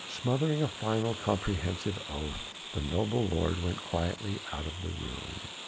Smothering a final, comprehensive oath the noble lord went quietly out of the room.